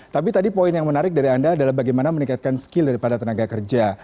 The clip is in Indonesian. tapi tadi poin yang menarik dari anda adalah bagaimana meningkatkan skill daripada tenaga kerja